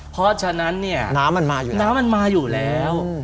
เพราะฉะนั้นน้ำมันมาอยู่แล้ว